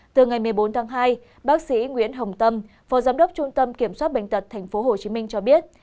từ ngày một mươi bốn tháng hai bác sĩ nguyễn hồng tâm phó giám đốc trung tâm kiểm soát bệnh tật tp hcm cho biết